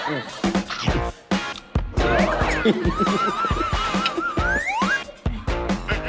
อืม